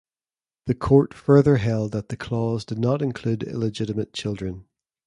The Court further held that the clause did not include illegitimate children.